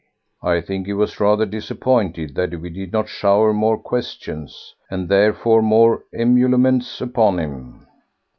I think he was rather disappointed that we did not shower more questions, and therefore more emoluments, upon him.